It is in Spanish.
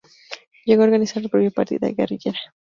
Llegó a organizar su propia partida guerrillera.